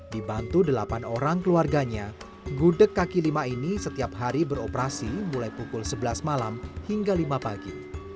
dibantu delapan orang keluarganya gudeg kaki lima ini setiap hari beroperasi mulai pukul sebelas malam hingga lima pagi